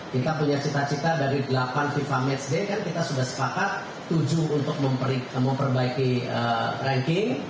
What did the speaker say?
kita punya cita cita dari delapan tifa match day kan kita sudah sepakat tujuh untuk memperbaiki ranking